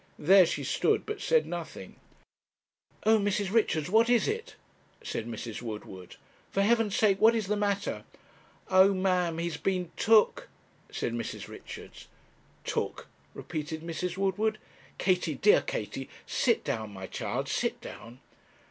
There she stood, but said nothing. 'Oh, Mrs. Richards what is it?' said Mrs. Woodward; 'for Heaven's sake what is the matter?' 'Oh, ma'am; he's been took,' said Mrs. Richards. 'Took!' repeated Mrs. Woodward. 'Katie, dear Katie sit down, my child sit down.'